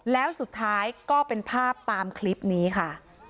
แล้วสุดท้ายก็เป็นภาพตามคลิปนี้ค่ะ